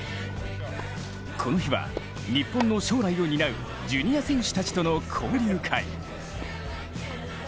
この日は、日本の将来を担うジュニア選手たちとの交流会。